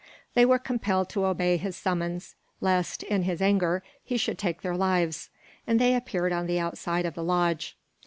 They were compelled to obey his summons, lest, in his anger, he should take their lives; and they appeared on the outside of the lodge.